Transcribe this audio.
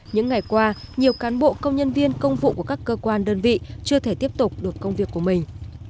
những ngày qua nhiều cán bộ công nhân viên công vụ của các cơ quan đơn vị chưa thể tiếp tục được công việc của mình